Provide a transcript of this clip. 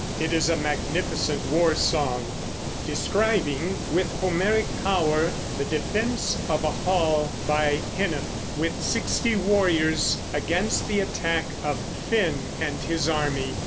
It is a magnificent war song, describing with Homeric power the defense of a hall by Hnæf with sixty warriors, against the attack of Finn and his army.